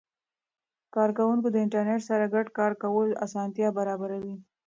کاروونکو ته د انټرنیټ سره ګډ کار کول اسانتیا برابر وي.